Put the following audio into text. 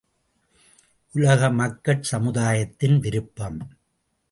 உலக மக்கட் சமுதாயத்தின் விருப்பம்.